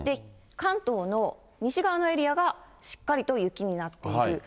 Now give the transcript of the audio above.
関東の西側のエリアがしっかりと雪になっている。